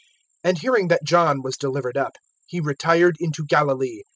(12)And hearing that John was delivered up, he retired into Galilee.